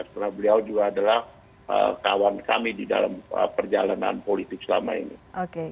karena beliau juga adalah kawan kami di dalam perjalanan politik selama ini